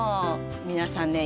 皆さんね